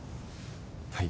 はい。